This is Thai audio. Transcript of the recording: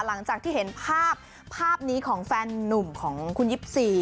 หลังจากที่เห็นภาพภาพนี้ของแฟนนุ่มของคุณ๒๔